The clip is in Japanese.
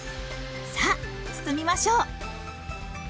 さあ包みましょう！